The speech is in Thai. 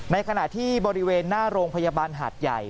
ในขณะที่บริเวณหน้าโรงพยาบาลหาดใหญ่